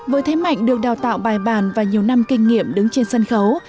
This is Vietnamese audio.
với thế mạnh được đào tạo bài bàn và nhiều năm kinh nghiệm đứng trên sân khấu